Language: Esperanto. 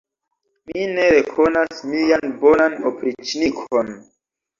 Mi ne rekonas mian bonan opriĉnikon!